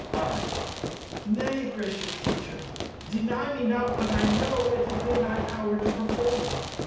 I. Nay, gracious Teacher, deny me not what I know it is in thy power to perform.